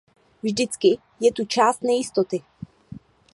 Vždycky je tu část nejistoty.